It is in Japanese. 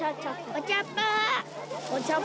お茶っ葉。